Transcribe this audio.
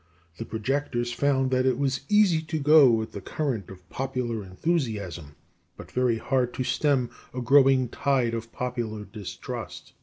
The projectors found that it was easy to go with the current of popular enthusiasm, but very hard to stem a growing tide of popular distrust.